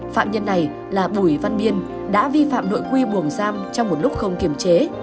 phạm nhân này là bùi văn biên đã vi phạm nội quy buồng giam trong một lúc không kiềm chế